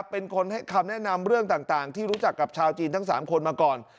เป็นคนให้คำแนะนำเรื่องต่างที่รู้จักกับชาวจีนทั้ง๓คนมาก่อน